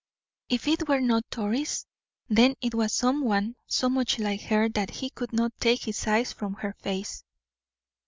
If it were not Doris, then it was some one so much like her that he could not take his eyes from her face.